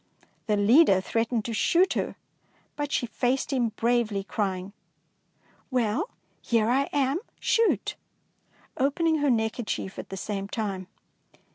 The leader threatened to shoot her, but she faced him bravely, crying, — "Well, here am I; shoot! opening her neckerchief at the same time.